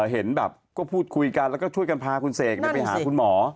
เห็นแบบก็พูดคุยกันแล้วก็ช่วยกันพาคุณเสกไปหาคุณหมอ